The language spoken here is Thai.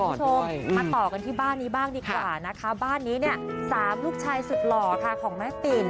คุณผู้ชมมาต่อกันที่บ้านนี้บ้างดีกว่านะคะบ้านนี้เนี่ย๓ลูกชายสุดหล่อค่ะของแม่ติ๋ม